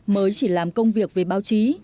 mới chỉ làm công việc về báo chí